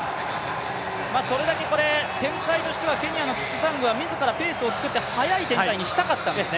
それだけ展開としてはキプサングがレースを作って速い展開にしたかったんですね。